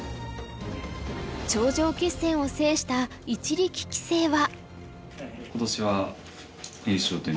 頂上決戦を制した一力棋聖は。